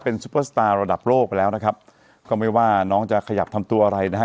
ซุปเปอร์สตาร์ระดับโลกไปแล้วนะครับก็ไม่ว่าน้องจะขยับทำตัวอะไรนะฮะ